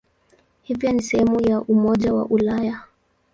Hivyo ni sehemu ya Umoja wa Ulaya.